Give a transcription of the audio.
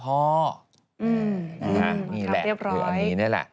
อืมครับเรียบร้อยนี่แหละถืออันนี้นั่นแหละ